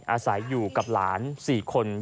อาศัยอยู่กับหลาน๔คน